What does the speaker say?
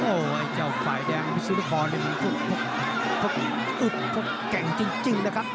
โอ้วไอ้เจ้าฝ่ายแดงพี่ซิลิฟอร์นี่มันคุกอึดแก่งจริงเลยครับ